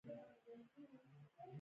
سړی کړپ شو.